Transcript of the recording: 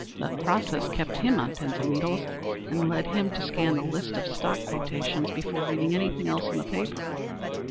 The process kept him on pins and needles, and led him to scan the list of stock quotations before reading anything else in the newspaper.